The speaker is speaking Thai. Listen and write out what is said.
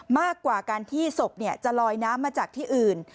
มากกว่าการที่ศพจะลอยน้ำมาจากที่อื่น